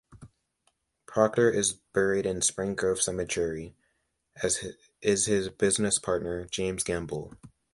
Procter is buried in Spring Grove Cemetery, as is his business partner, James Gamble.